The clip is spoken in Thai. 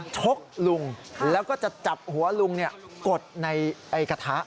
ชกลุงแล้วก็จะจับหัวลุงกดในกระทะ